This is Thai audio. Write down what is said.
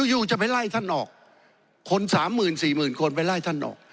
อยู่จะไปไล่ท่านออกคน๓๔๐๐๐คนไปไล่ท่านออก